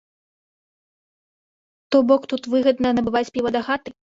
То бок, тут выгадна набываць піва дахаты.